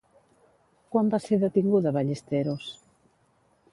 Quan va ser detinguda Ballesteros?